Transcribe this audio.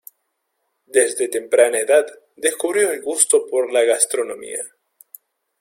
Desde temprana edad descubrió el gusto por la gastronomía.